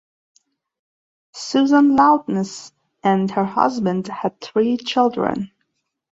Susan Lowndes and her husband had three children.